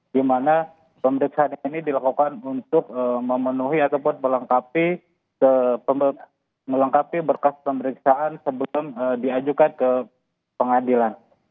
di mana pemeriksaan ini dilakukan untuk memenuhi ataupun melengkapi berkas pemeriksaan sebelum diajukan ke pengadilan